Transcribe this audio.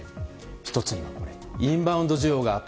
１つにはインバウンド需要がある。